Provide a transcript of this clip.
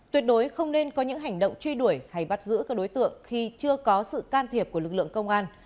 tuyệt đối không nên có những hành động truy đuổi hay bắt giữ các đối tượng khi chưa có sự can thiệp của lực lượng công an